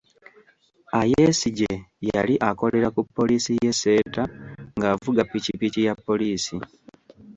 Ayesigye yali akolera ku poliisi y'e Seeta ng'avuga Pikipiki ya poliisi.